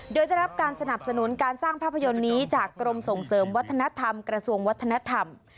โดยจะรับการสนับสนุนการสร้างภาพยนตร์นี้จากกรมส่งเสริมวัฒนธรรมกระทรวงวัฒนธรรม